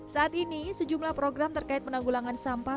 saat ini sejumlah program terkait penanggulangan sampah